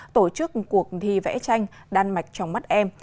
tổ chức cuộc thi vẽ tranh đan mạch trong mắt em